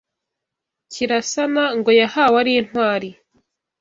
Kirasana ngo yahawe ari intwari